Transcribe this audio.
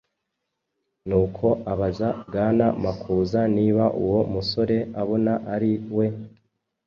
Nuko abaza Bwana Makuza niba uwo musore abona ari we